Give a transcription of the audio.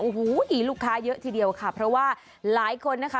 โอ้โหลูกค้าเยอะทีเดียวค่ะเพราะว่าหลายคนนะคะ